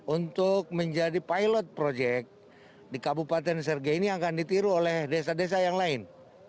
untuk menjadi pilot project di kabupaten sergei ini akan ditiru oleh desa desa yang lain